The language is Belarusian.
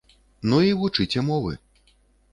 Ну і вучыце мовы.